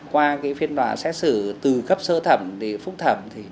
qua phiên tòa xét xử từ cấp sơ thẩm đến phúc thẩm